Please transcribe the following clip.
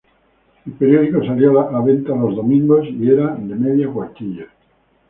El periódico salía a la venta los domingos y era de media cuartilla.